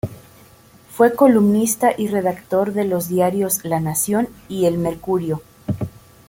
Fue columnista y redactor de los diarios "La Nación" y "El Mercurio".